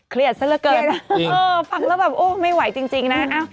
เครียดซะเร็วเกินเออฟังแล้วแบบโอ๊ยไม่ไหวจริงนะเอ้า